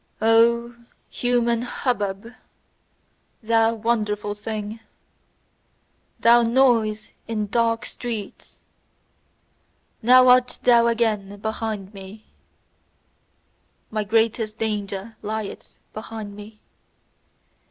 O human hubbub, thou wonderful thing! Thou noise in dark streets! Now art thou again behind me: my greatest danger lieth behind me!